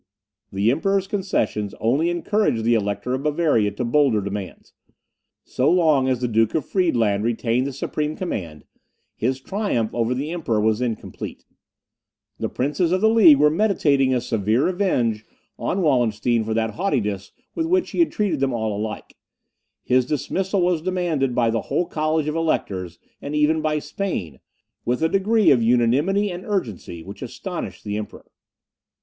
The Emperor's concessions only encouraged the Elector of Bavaria to bolder demands. So long as the Duke of Friedland retained the supreme command, his triumph over the Emperor was incomplete. The princes of the League were meditating a severe revenge on Wallenstein for that haughtiness with which he had treated them all alike. His dismissal was demanded by the whole college of electors, and even by Spain, with a degree of unanimity and urgency which astonished the Emperor.